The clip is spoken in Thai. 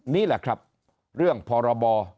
นี่แหละครับเรื่องพรบ